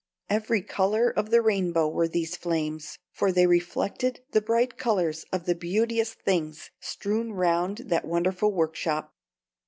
Every color of the rainbow were these flames; for they reflected the bright colors of the beauteous things strewn round that wonderful workshop.